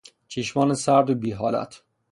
چشمان سرد و بی حالت